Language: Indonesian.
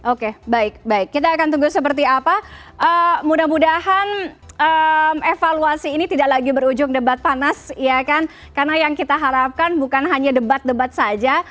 oke baik baik kita akan tunggu seperti apa mudah mudahan evaluasi ini tidak lagi berujung debat panas ya kan karena yang kita harapkan bukan hanya debat debat saja